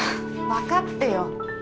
分かってよ。